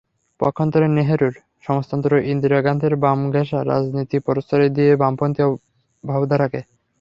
পক্ষান্তরে নেহরুর সমাজতন্ত্র, ইন্দিরা গান্ধীর বামঘেঁষা রাজনীতি প্রশ্রয় দিয়েছে বামপন্থী ভাবধারাকে।